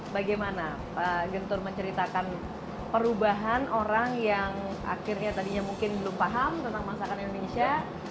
bagaimana pak gentur menceritakan perubahan orang yang akhirnya tadinya mungkin belum paham tentang masakan indonesia